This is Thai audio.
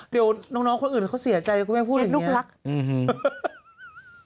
เดี๋ยวน้องน้องคนอื่นเขาเสียใจว่าพูดอย่างเนี้ยลูกรักอื้อหือ